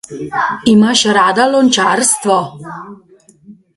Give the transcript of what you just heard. Imaš rada lončarstvo?